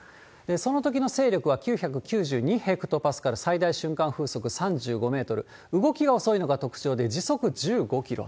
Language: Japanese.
そのときの勢力は９９２ヘクトパスカル、最大瞬間風速３５メートル、動きが遅いのが特徴で、時速１５キロ。